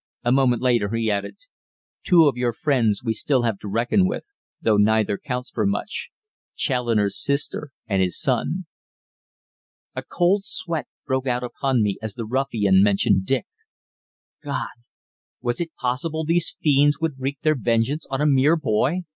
A moment later he added: "Two of your friends we still have to reckon with, though neither counts for much: Challoner's sister, and his son." A cold sweat broke out upon me as the ruffian mentioned Dick. God! Was it possible these fiends would wreak their vengeance on a mere boy?